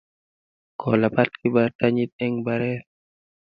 Ko lapat kibartannyit eng mbaret